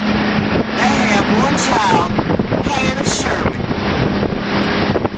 They have one child, Hannah Sherman.